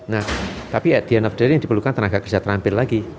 nah tapi at the end of their yang diperlukan tenaga kerja terampil lagi